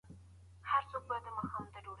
ایا کوچني پلورونکي جلغوزي اخلي؟